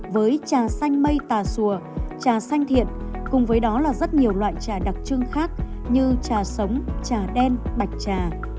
với chà xanh mây tà xùa chà xanh thiện cùng với đó là rất nhiều loại chà đặc trưng khác như chà sống chà đen bạch chà